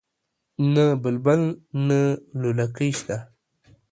نه بلبل نه لولکۍ شته